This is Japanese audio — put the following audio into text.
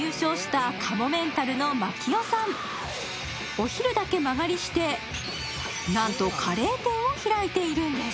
お昼だけ間借りして、なんとカレー店を開いているんです。